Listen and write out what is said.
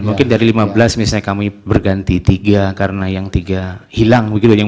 mungkin dari lima belas misalnya kami berganti tiga karena yang tiga hilang